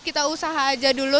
kita usaha aja dulu